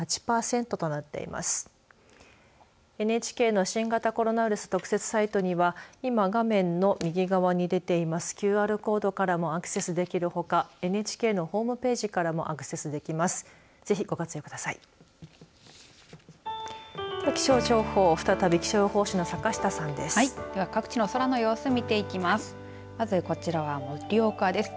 ＮＨＫの新型コロナウイルス特設サイトには今画面の右側に出ていますＱＲコードからもアクセスできるほかＮＨＫのホームページからもアクセスできます。